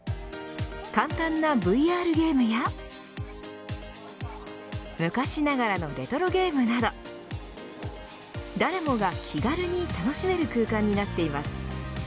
簡単なＶＲゲームや昔ながらのレトロゲームなど誰もが気軽に楽しめる空間になっています。